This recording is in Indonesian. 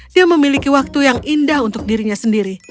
dia memiliki waktu yang indah untuk dirinya sendiri